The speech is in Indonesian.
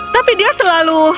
tapi dia selalu